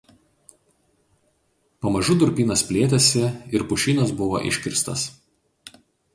Pamažu durpynas plėtėsi ir pušynas buvo iškirstas.